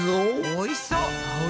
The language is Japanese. おいしそう。